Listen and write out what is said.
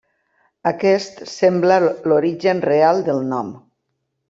Aquest sembla l'origen real del nom.